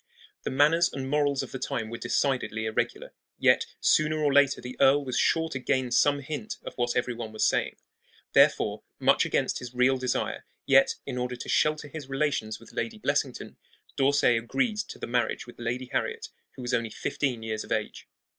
The manners and morals of the time were decidedly irregular; yet sooner or later the earl was sure to gain some hint of what every one was saying. Therefore, much against his real desire, yet in order to shelter his relations with Lady Blessington, D'Orsay agreed to the marriage with Lady Harriet, who was only fifteen years of age.